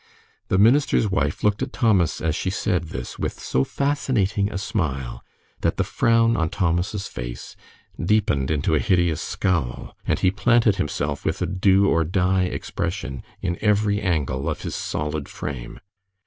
The minister's wife looked at Thomas as she said this, with so fascinating a smile that the frown on Thomas' face deepened into a hideous scowl, and he planted himself with a do or die expression in every angle of his solid frame.